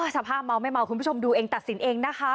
สภาพเมาไม่เมาคุณผู้ชมดูเองตัดสินเองนะคะ